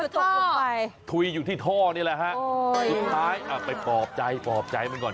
ตกลงไปถุยอยู่ที่ท่อนี่แหละฮะสุดท้ายไปปลอบใจปลอบใจมันก่อน